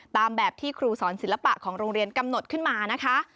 ตามแบบที่ครูสอนศิลปะของโรงเรียนกำหนดขึ้นมานะคะ